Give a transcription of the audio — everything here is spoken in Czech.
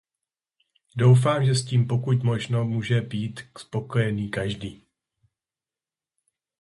Doufám, že s tím pokud možno může být spokojený každý.